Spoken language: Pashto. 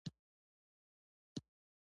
استاد د شاګرد فکرونو ته رڼا ورکوي.